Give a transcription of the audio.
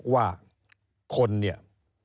ว่าคนเนี่ย